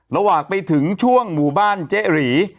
ระหว่างไปถึงช่วงหมู่บ้านเจ๊หรี